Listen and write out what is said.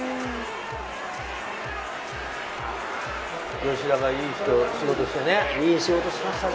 吉田が、いい仕事をしてね。